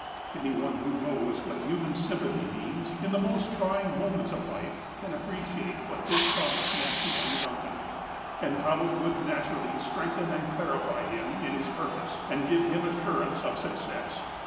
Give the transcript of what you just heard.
" Any one who knows what human sympathy means, in the most trying moments of life, can appreciate what this promise meant to young Duncan, and how it would nat urally strengthen and clarify him in his purpose, and give him assurance of success.